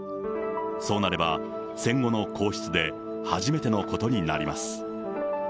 そうなれば、戦後の皇室で初めてのことになります。